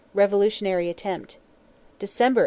Revolutionary attempt. December, 1884.